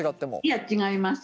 いや違います。